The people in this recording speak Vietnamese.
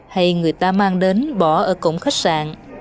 hay người ta mang đến bỏ ở cổng khách sạn